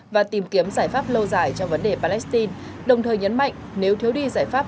và tìm kiếm giải pháp lâu dài cho vấn đề palestine đồng thời nhấn mạnh nếu thiếu đi giải pháp